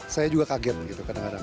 saya juga kaget gitu kadang kadang